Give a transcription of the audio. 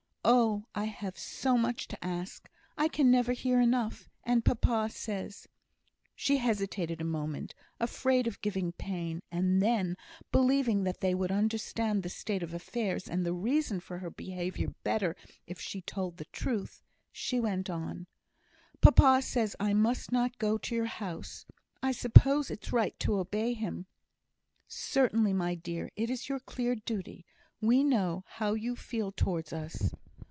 Oh! I have so much to ask, I can never hear enough; and papa says" she hesitated a moment, afraid of giving pain, and then, believing that they would understand the state of affairs, and the reason for her behaviour better if she told the truth, she went on: "Papa says I must not go to your house I suppose it's right to obey him?" "Certainly, my dear. It is your clear duty. We know how you feel towards us."